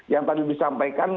yang tadi disampaikan